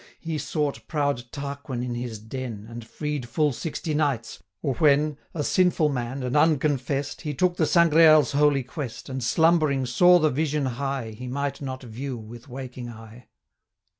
He sought proud Tarquin in his den, 265 And freed full sixty knights; or when, A sinful man, and unconfess'd, He took the Sangreal's holy quest, And, slumbering, saw the vision high, He might not view with waking eye.